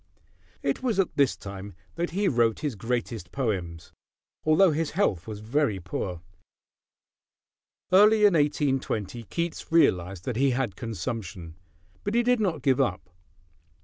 It was at this time that he wrote his greatest poems; although his health was very poor. Early in 1820 Keats realized that he had consumption; but he did not give up.